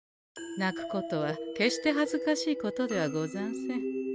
泣くことは決してはずかしいことではござんせん。